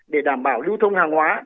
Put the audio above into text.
để đảm bảo lưu thông hàng hóa